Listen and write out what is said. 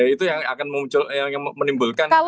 itu yang akan menimbulkan